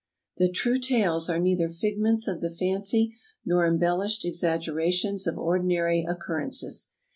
The ' True Tales" are neither figments of the fancy nor embellished exaggerations of ordinary occurrences.